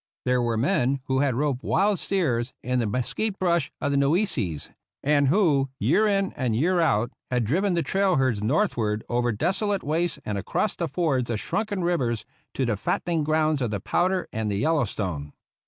There were men who had roped wild steers in the mesquite brush of the Nueces, and who, year in and year out, had driven the trail herds northward over desolate wastes and across the fords of shrunken rivers to the fatten ing grounds of the Powder and the Yellowstone.